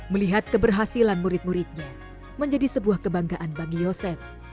melihat keberhasilan murid muridnya menjadi sebuah kebanggaan bagi yosep